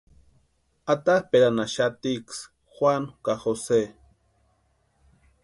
Atapʼerhaxatiksï Juanu ka Jose.